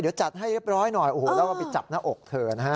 เดี๋ยวจัดให้เรียบร้อยหน่อยแล้วก็ไปจับหน้าอกเถิน